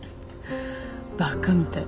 バカみたい。